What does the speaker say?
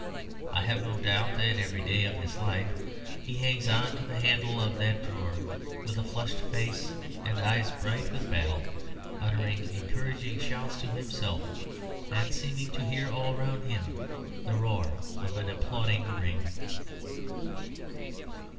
I have no doubt that every day of his life he hangs on to the handle of that drawer with a flushed face and eyes bright with battle, uttering encouraging shouts to himself, and seeming to hear all round him the roar of an applauding ring.